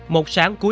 một sáng vừa qua